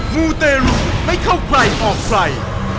ไม่ได้